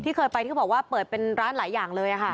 เคยไปที่เขาบอกว่าเปิดเป็นร้านหลายอย่างเลยค่ะ